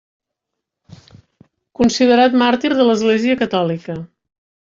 Considerat màrtir de l'Església catòlica.